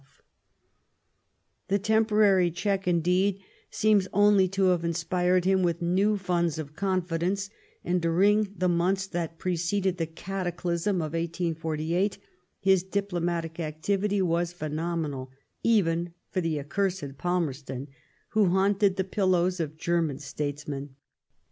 *' The temporary eheck, indeed, seems only to have inspired him with new funds of confidence, and during the months that pre ceded the cataclysm of 1848, his diplomatic activity was phenomenal, even for '* the accursed Palmerston," who haunted the pillows of German statesmen.